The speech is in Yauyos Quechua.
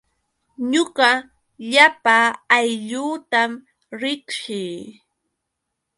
Ñuqa llapa aylluutam riqsii.